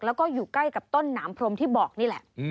แล้วก็อยู่ใกล้กับต้นหนามพรมที่บอกนี่แหละ